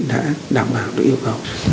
đã đảm bảo được yêu cầu